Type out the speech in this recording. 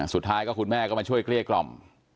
สุดท้ายก็คุณแม่ก็มาช่วยเกลี้ยกล่อม